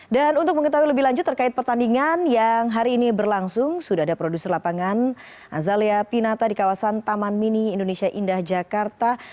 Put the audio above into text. untuk mengetahui lebih lanjut terkait pertandingan yang hari ini berlangsung sudah ada produser lapangan azalea pinata di kawasan taman mini indonesia indah jakarta